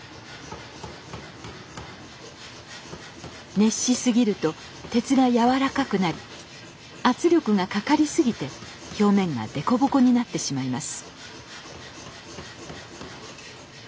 熱し過ぎると鉄が軟らかくなり圧力がかかり過ぎて表面が凸凹になってしまいます。